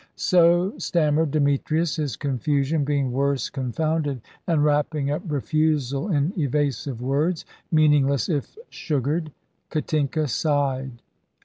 So stammered Demetrius, his confusion being worse confounded, and wrapping up refusal in evasive words, meaningless if sugared. Katinka sighed.